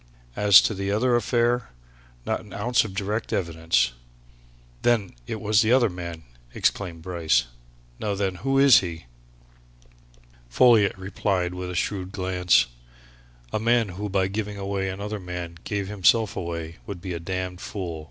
As to the other affair not an ounce of direct evidence!" "Then it was the other man!" exclaimed Bryce. "Now then, who is he?" Folliot replied with a shrewd glance. "A man who by giving away another man gave himself away would be a damned fool!"